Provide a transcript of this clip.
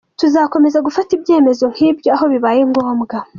Tuzakomeza gufata ibyemezo nk’ibyo aho bibaye ngombwa.